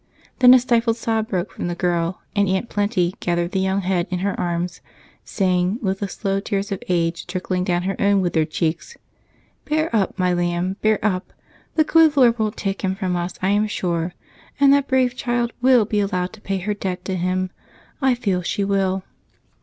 Then a stifled sob broke from the girl, and Aunt Plenty gathered the young head in her arms, saying, with the slow tears of age trickling down her own withered cheeks: "Bear up, my lamb, bear up. The good Lord won't take him from us I am sure and that brave child will be allowed to pay her debt to him. I feel she will."